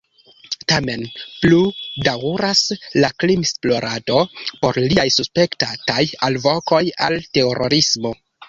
Tamen plu daŭras la krimesplorado pro liaj suspektataj “alvokoj al terorismo”.